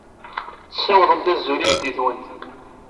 Ssiwḍemt azul i jeddi-twent.